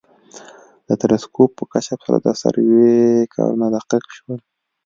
د تلسکوپ په کشف سره د سروې کارونه دقیق شول